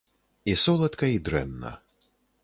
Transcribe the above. І соладка і дрэнна.